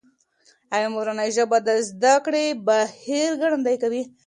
ایا مورنۍ ژبه د زده کړې بهیر ګړندی کوي؟